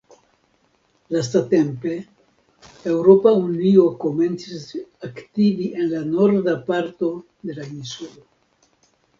Lastatempe Eŭropa Unio komencis aktivi en la norda parto de la insulo.